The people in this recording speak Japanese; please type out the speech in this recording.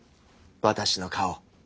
私の顔。